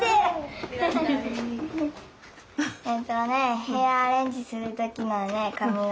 えっとねヘアアレンジするときのね髪型。